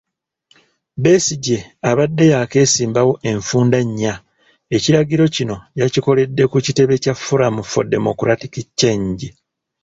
Besigye abadde yakeesimbawo enfunda nnya ekiragiriro kino yakikoledde ku kitebe kya Forum for Democratic Change.